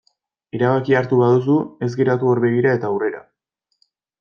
Erabakia hartu baduzu ez geratu hor begira eta aurrera.